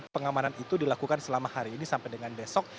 pengamanan itu dilakukan selama hari ini sampai dengan besok